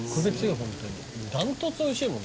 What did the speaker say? ホントに断トツでおいしいもんね